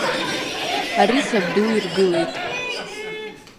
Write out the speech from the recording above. Ари сабду иргылеит.